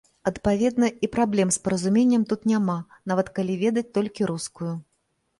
Адпаведна, і праблем з паразуменнем тут няма, нават калі ведаць толькі рускую.